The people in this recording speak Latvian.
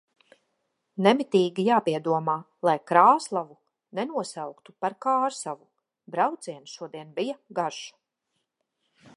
Nemitīgi jāpiedomā, lai Krāslavu nenosauktu par Kārsavu. Brauciens šodien bija garš.